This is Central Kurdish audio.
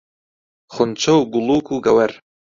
خونچە و گوڵووک و گەوەر